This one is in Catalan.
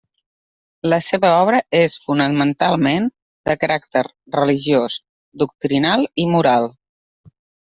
La seva obra és fonamentalment de caràcter religiós, doctrinal i moral.